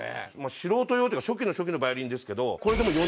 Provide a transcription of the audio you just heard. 素人用っていうか初期の初期のヴァイオリンですけどこれでも。